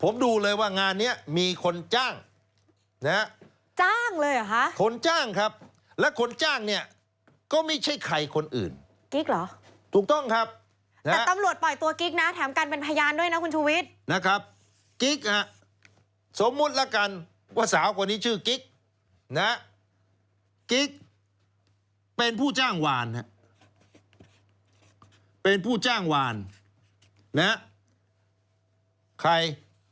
คุณสวิทธิ์เล่าเรื่องหน่อย